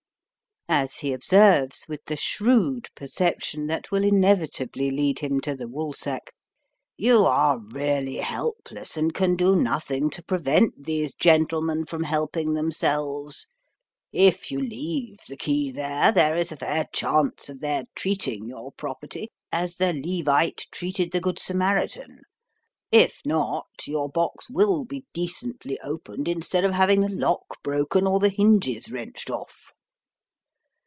As he observes, with the shrewd perception that will inevitably lead him to the Woolsack, "You are really helpless, and can do nothing to prevent these gentlemen from helping themselves. If you leave the key there, there is a fair chance of their treating your property as the Levite treated the Good Samaritan. If not, your box will be decently opened instead of having the lock broken or the hinges wrenched off."